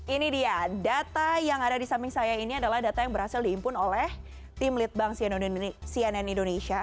ini dia data yang ada di samping saya ini adalah data yang berhasil diimpun oleh tim litbang cnn indonesia